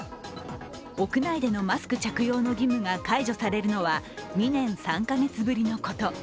屋内でのマスク着用の義務が解除されるのは２年３か月ぶりのこと。